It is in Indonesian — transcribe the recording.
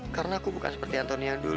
karena aku bukan seperti antoni yang dulu kandi